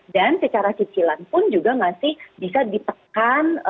dan secara cicilan pun juga masih bisa dipekan